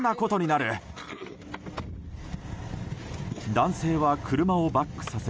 男性は車をバックさせ